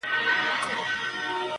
محتسب ښارته وتلی حق پر شونډو دی ګنډلی -